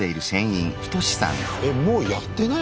もうやってない？